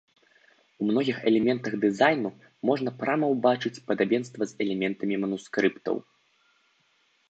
У многіх элементах дызайну можна прама ўбачыць падабенства з элементамі манускрыптаў.